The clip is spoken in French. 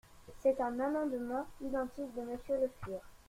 C’est un amendement identique de Monsieur Le Fur.